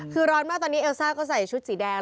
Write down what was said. คือร้อนมากตอนนี้เอลซ่าก็ใส่ชุดสีแดง